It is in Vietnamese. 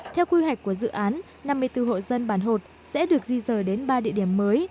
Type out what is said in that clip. theo quy hoạch của dự án năm mươi bốn hộ dân bàn hột sẽ được di rời đến ba địa điểm mới